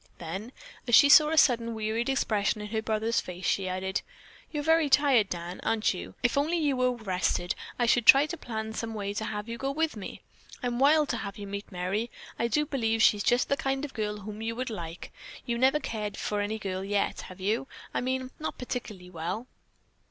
Then, as she saw a sudden wearied expression in her brother's face, she added: "You're very tired, Dan, aren't you? If only you were rested, I should try to plan some way to have you go with me. I'm wild to have you meet Merry. I do believe she is just the kind of a girl whom you would like. You never have cared for any girl yet, have you? I mean not particularly well?"